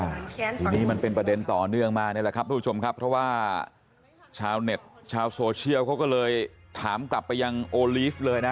ทีนี้มันเป็นประเด็นต่อเนื่องมานี่แหละครับทุกผู้ชมครับเพราะว่าชาวเน็ตชาวโซเชียลเขาก็เลยถามกลับไปยังโอลีฟเลยนะ